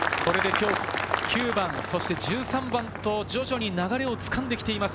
９番、そして１３番と徐々に流れをつかんできています。